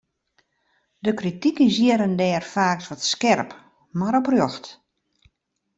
De krityk is hjir en dêr faaks wat skerp, mar oprjocht.